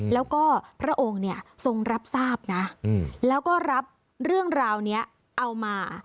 แล้วก็พระองค์เนี่ยทรงรับทราบนะแล้วก็รับเรื่องราวนี้เอามา